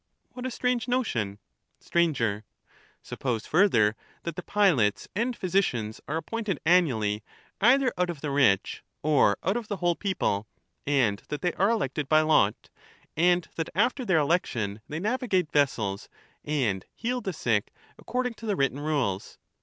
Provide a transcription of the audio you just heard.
What a strange notion I Sir, Suppose further, that the pilots and physicians are appointed annually, either out of the rich, or out of the whole people, and that they are elected by lot ; and that after their election they navigate vessels and heal the sick according to the written rules.